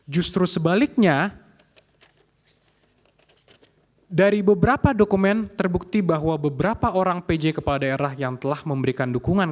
justru sebaliknya dari beberapa dokumen terbukti bahwa beberapa orang pj kepala daerah yang telah memberikan dukungan